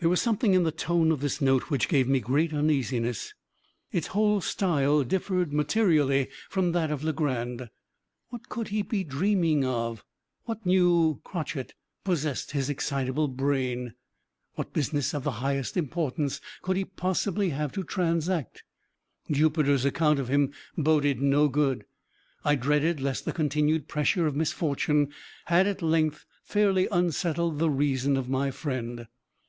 There was something in the tone of this note which gave me great uneasiness. Its whole style differed materially from that of Legrand. What could he be dreaming of? What new crotchet possessed his excitable brain? What "business of the highest importance" could he possibly have to transact? Jupiter's account of him boded no good. I dreaded lest the continued pressure of misfortune had, at length, fairly unsettled the reason of my friend.